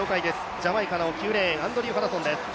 ジャマイカの９レーン、アンドリュー・ハドソンです。